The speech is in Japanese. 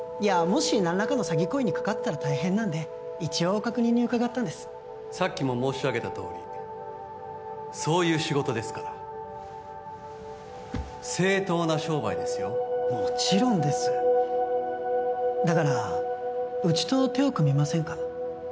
もし何らかの詐欺行為に関わってたら大変なんで一応確認に伺ったんですさっきも申し上げたとおりそういう仕事ですから正当な商売ですよもちろんですだからうちと手を組みませんか？